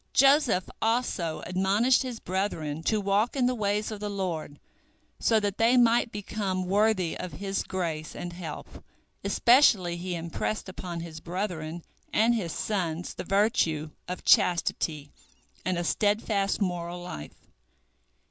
Joseph also admonished his brethren to walk in the ways of the Lord, so that they might become worthy of His grace and help. Especially he impressed upon his brethren and his sons the virtue of chastity and a steadfast moral life.